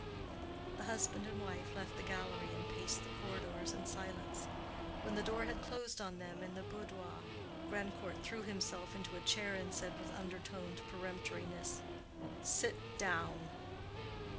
The husband and wife left the gallery and paced the corridors in silence. When the door had closed on them in the boudoir, Grandcourt threw himself into a chair and said, with undertoned peremptoriness, "Sit down."